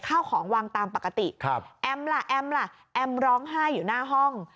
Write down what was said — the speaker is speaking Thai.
ข้าวของวางตามปกติครับแอมล่ะแอมล่ะแอมร้องไห้อยู่หน้าห้อง